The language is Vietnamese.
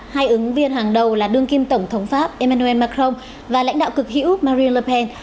hai ứng viên hàng đầu là đương kim tổng thống pháp emmanuel macron và lãnh đạo cực hữu marine le pen